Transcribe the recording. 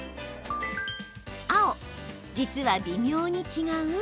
青・実は微妙に違う？